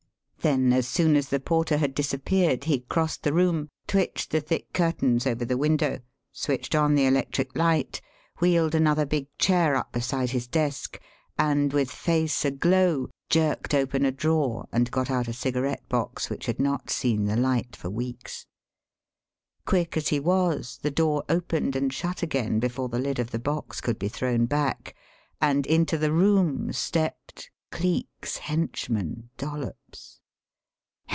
Then, as soon as the porter had disappeared, he crossed the room, twitched the thick curtains over the window, switched on the electric light, wheeled another big chair up beside his desk and, with face aglow, jerked open a drawer and got out a cigarette box which had not seen the light for weeks. Quick as he was, the door opened and shut again before the lid of the box could be thrown back, and into the room stepped Cleek's henchman Dollops.